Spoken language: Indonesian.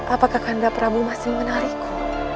apakah anda prabu masih menarikku